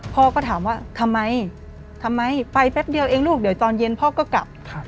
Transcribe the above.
พ่อก็ถามว่าทำไมทำไมไปแป๊บเดียวเองลูกเดี๋ยวตอนเย็นพ่อก็กลับ